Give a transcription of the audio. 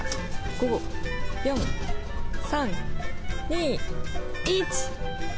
５、４、３、２、１。